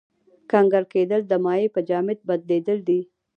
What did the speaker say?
کنګل کېدل د مایع په جامد بدلیدل دي.